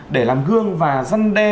để làm gương và dân đe